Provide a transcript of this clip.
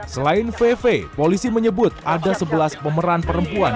selain vv polisi menyebut ada sebelas pemeran perempuan